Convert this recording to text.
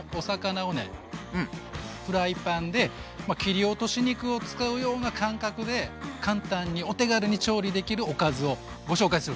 フライパンで切り落とし肉を使うような感覚で簡単にお手軽に調理できるおかずをご紹介する。